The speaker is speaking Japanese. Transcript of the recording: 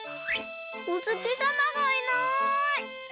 おつきさまがいない。